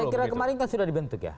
saya kira kemarin kan sudah dibentuk ya